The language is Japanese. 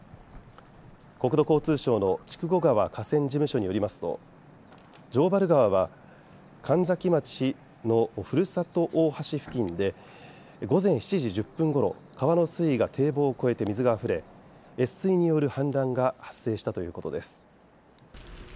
国土交通省の筑後川河川事務所によりますと城原川は神埼町のふるさと大橋付近で午前７時１０分ごろ、川の水位が堤防を越えて水があふれ越水による氾濫が発生したということです。